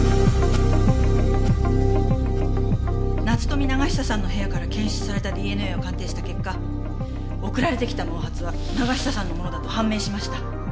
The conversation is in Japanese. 夏富永久さんの部屋から検出されたＤＮＡを鑑定した結果送られてきた毛髪は永久さんのものだと判明しました。